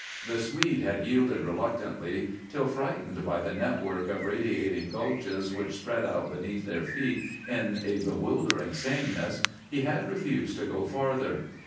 The Swede had yielded reluctantly till, frightened by the network of radiating gulches which spread out beneath their feet in a bewildering sameness, he had refused to go farther.